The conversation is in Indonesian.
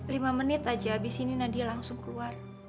lima menit aja habis ini nadia langsung keluar